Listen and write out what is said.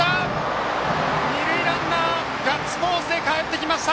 二塁ランナー、ガッツポーズでかえってきました！